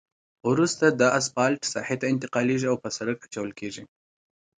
وروسته دا اسفالټ ساحې ته انتقالیږي او په سرک اچول کیږي